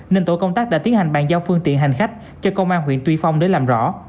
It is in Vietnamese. nên tổ công tác đã tiến hành bàn giao phương tiện hành khách cho công an huyện tuy phong để làm rõ